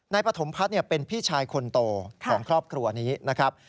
ปฐมพัฒน์เป็นพี่ชายคนโตของครอบครัวนี้นะครับ